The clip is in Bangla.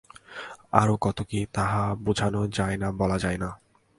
আরও কত কি, তাহা বুঝানো যায় না-বলা যায় না।